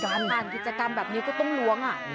อ่านกิจกรรมแบบนี้ก็ต้องล้วง